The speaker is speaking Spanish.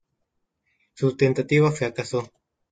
Su tentativa fracasó.